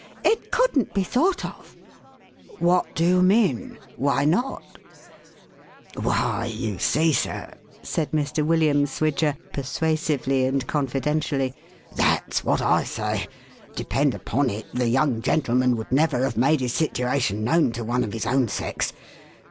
" It couldn't be thought of I" " What do you mean ? Why not ?"" Why you see, sir," said Mr. William Swidger, persuasively and confidentially, "that's what I say. Depend upon it, the young gentleman would never have made his situation known to one of his own sex.